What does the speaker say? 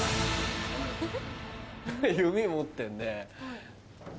弓持ってんね。